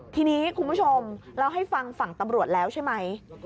ทีนี้คุณผู้ชมเราให้ฟังฝั่งตำรวจแล้วใช่ไหม